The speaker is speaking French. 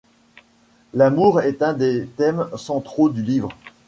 L'amour est un des thèmes centraux du livre.